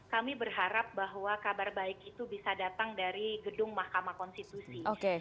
kami berharap bahwa kabar baik itu bisa datang dari gedung mahkamah konstitusi